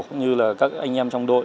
cũng như là các anh em trong đội